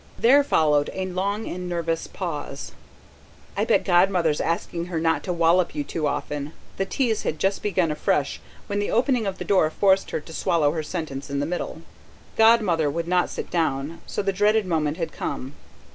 There followed a long and nervous pause. "I bet Godmother's asking her not to wallop you too often," the tease had just begun afresh, when the opening of the door forced her to swallow her sentence in the middle. Godmother would not sit down; so the dreaded moment had come.